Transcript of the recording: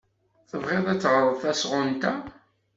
Tebɣiḍ ad teɣreḍ tasɣunt-a?